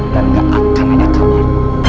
dan nggak akan ada kabar